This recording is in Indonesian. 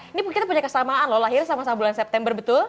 ini kita punya kesamaan loh lahir sama sama bulan september betul